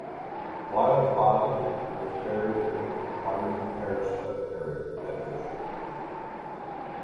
Wild's body was buried in Toddington Parish Cemetery, Bedfordshire.